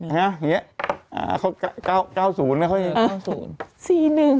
ใช่ไหมอย่างนี้เขา๙๐ค่อยแม่ง๙๐